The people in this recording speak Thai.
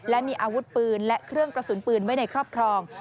และมีอาวุธปืนและเครื่องกระสุนปืนไว้ในครอบครอง